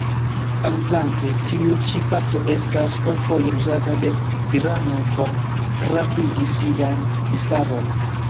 Aliflanke tiu ĉi fakto estas fojfoje uzata de tiranoj por pravigi siajn misfarojn.